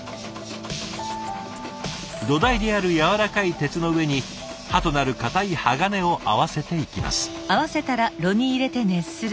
土台であるやわらかい鉄の上に刃となる硬い鋼を合わせていきます。